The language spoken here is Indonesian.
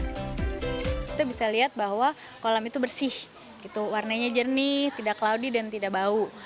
kita bisa lihat bahwa kolam itu bersih warnanya jernih tidak cloudie dan tidak bau